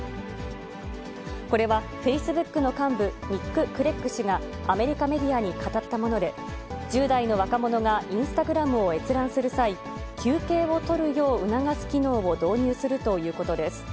これはフェイスブックの幹部、ニック・クレッグ氏がアメリカメディアに語ったもので、１０代の若者がインスタグラムを閲覧する際、休憩を取るよう促す機能を導入するということです。